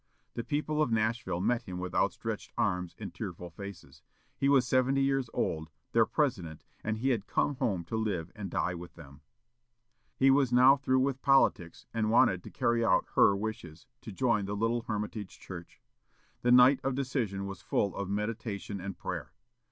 The people of Nashville met him with outstretched arms and tearful faces. He was seventy years old, their President, and he had come home to live and die with them. He was now through with politics, and wanted to carry out her wishes, to join the little Hermitage church. The night of decision was full of meditation and prayer.